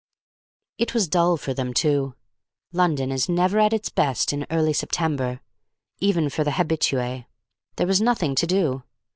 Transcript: It was dull for them, too. London is never at its best in early September, even for the habitue. There was nothing to do.